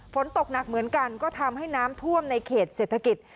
ฝนตกหนักเหมือนกันก็ทำให้น้ำท่วมในเขตเศรษฐกิจ